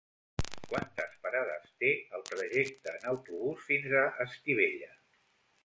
Quantes parades té el trajecte en autobús fins a Estivella?